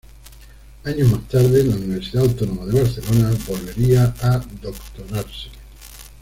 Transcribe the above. Años más tarde, en la Universidad Autónoma de Barcelona, volvería a doctorarse.